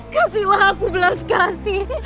kasihlah aku belas kasih